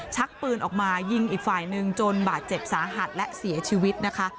ชักปืนออกมายิงอีกฝ่ายหนึ่งจนบาดเจ็บสาหัสและเสียชีวิตนะคะ